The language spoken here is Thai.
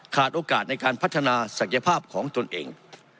โอกาสในการพัฒนาศักยภาพของตนเอง